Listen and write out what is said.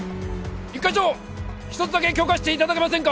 一課長１つだけ許可して頂けませんか！？